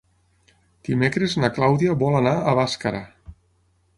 Dimecres na Clàudia vol anar a Bàscara.